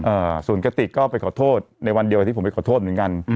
อ่าส่วนกติกก็ไปขอโทษในวันเดียวกับที่ผมไปขอโทษเหมือนกัน